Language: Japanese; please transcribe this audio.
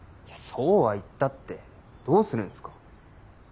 そうは言ったってどうするんすか？